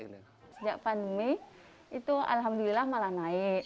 sejak pandemi itu alhamdulillah malah naik